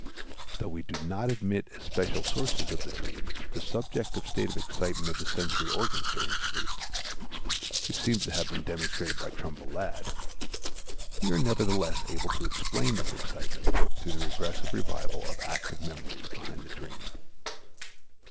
Though we do not admit as special sources of the dream the subjective state of excitement of the sensory organs during sleep, which seems to have been demonstrated by Trumbull Ladd, we are nevertheless able to explain this excitement through the regressive revival of active memories behind the dream.